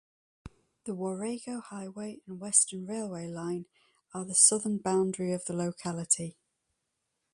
The Warrego Highway and Western railway line are the southern boundary of the locality.